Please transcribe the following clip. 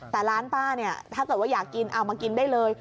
แต่ร้านป้าถ้าเกิดอยากกินเอามากินได้เลย